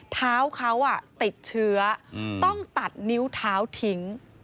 เท้าเขาติดเชื้อต้องตัดนิ้วเท้าทิ้ง